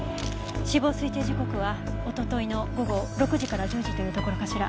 死亡推定時刻は一昨日の午後６時から１０時というところかしら。